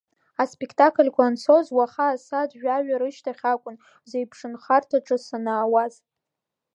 Аспектакльқәа анцоз, уаха асааҭ жәаҩа рышьҭахь акәын ҳзеиԥшынхарҭаҿы санаауаз.